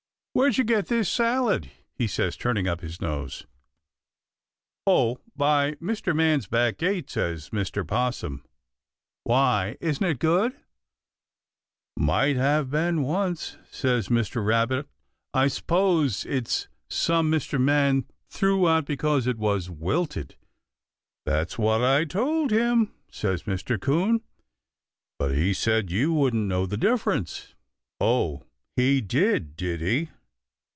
"Where'd you get this salad?" he says, turning up his nose. "Out by Mr. Man's back gate," says Mr. 'Possum. "Why, isn't it good?" "Might have been once," says Mr. Rabbit. "I s'pose it's some Mr. Man threw out because it was wilted." "That's what I told him," says Mr. 'Coon, "but he said you wouldn't know the difference." "Oh, he did, did he?